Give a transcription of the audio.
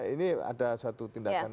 ini ada satu tindakan